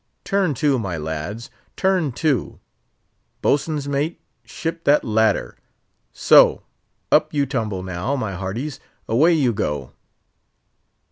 Turn to, my lads, turn to! Boatswain's mate, ship that ladder! So! up you tumble, now, my hearties! away you go!"